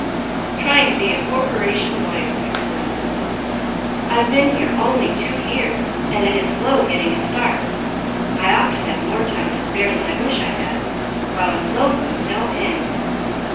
"Trying to be a corporation lawyer," explained Douglas. "I've been here only two years, and it is slow getting a start. I often have more time to spare than I wish I had, while I'm lonesome no end."